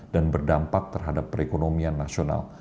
dan berdampak terhadap perekonomian nasional